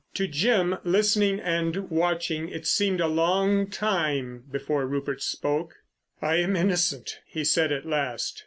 To Jim listening and watching it seemed a long time before Rupert spoke. "I am innocent," he said at last.